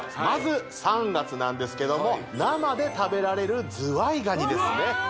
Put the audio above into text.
まず３月なんですけども生で食べられるズワイガニですね